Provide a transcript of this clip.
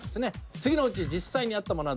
次のうち実際にあったものはどれでしょう？